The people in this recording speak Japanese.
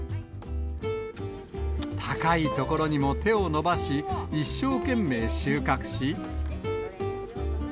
高い所にも手を伸ばし、一生懸命収穫し。